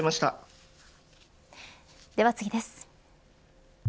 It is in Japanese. では次です。